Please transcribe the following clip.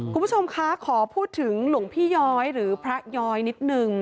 คุณผู้ชมคะขอพูดถึงหลวงพี่ย้อยหรือพระย้อยนิดนึง